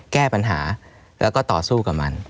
แก้ปัญหาแล้วก็ต่อสู้กับมัน